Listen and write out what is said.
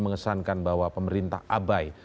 mengesankan bahwa pemerintah abai